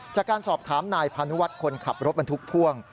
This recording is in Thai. จากการสอบถามนายพานุวัฒน์คนขับรถบรรทุกพ่วง